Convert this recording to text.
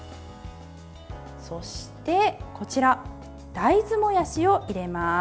そして、こちら大豆もやしを入れます。